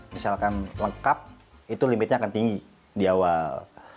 misalkan lengkap itu limitnya akan tinggi di awal